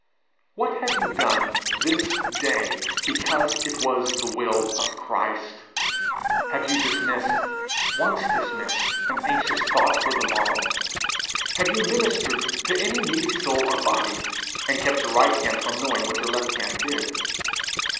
What have you done this day because it was the will of Christ? Have you dismissed, once dismissed, an anxious thought for the morrow? Have you ministered to any needy soul or body, and kept your right hand from knowing what your left hand did?